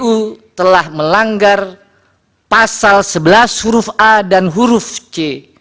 kpu telah melanggar pasal sebelas huruf a dan huruf c